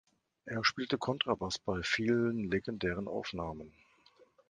Er spielte Kontrabass bei vielen legendären Aufnahmen.